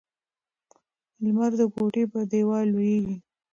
لمر د کوټې پر دیوال لوېږي.